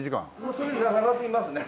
それ長すぎますね。